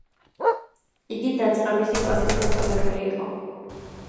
იგი დაწყებითი კლასის მასწავლებელი იყო.